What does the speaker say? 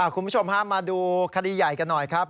คุณผู้ชมฮะมาดูคดีใหญ่กันหน่อยครับ